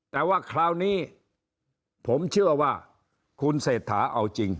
แต่ว่าคราวนี้ผมเชื่อว่าคุณเศรษฐาเอาจริง